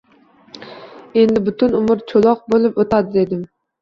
Endi butun umr choʻloq boʻlib oʻtadi, dedim.